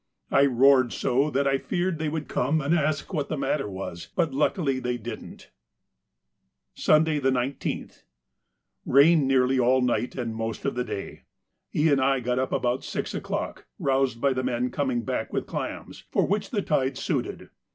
I roared so that I feared they would come and ask what was the matter, but luckily they didn't. Sunday, the 19th.—Rain nearly all night and most of the day. E. and I got up about six o'clock, roused by the men coming back with clams, for which the tide suited.